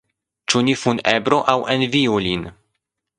Ĉu ni funebru aŭ enviu lin?